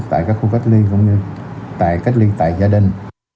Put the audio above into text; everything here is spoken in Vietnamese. tại các khu cách ly cũng như tại cách ly tại gia đình